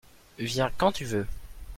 viens quand tu veux.